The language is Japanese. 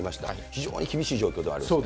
非常に厳しい状況ではあります。